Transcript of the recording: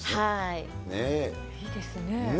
いいですね。